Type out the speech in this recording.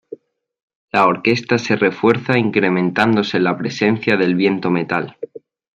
La orquesta se refuerza, incrementándose la presencia del viento metal.